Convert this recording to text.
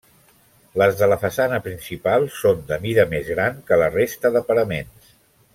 Les de la façana principal són de mida més gran que la resta de paraments.